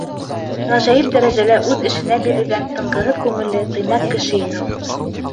Ғәжәйеп дәрәжәлә үҙ эшенә бирелгән, тынғыһыҙ күңелле, тыйнаҡ кеше ине ул.